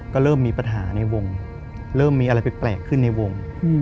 ก็เริ่มมีปัญหาในวงเริ่มมีอะไรแปลกขึ้นในวง